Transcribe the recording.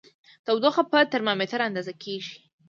تودوخه په ترمامیتر اندازه کېږي.